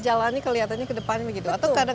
jalani kelihatannya ke depan begitu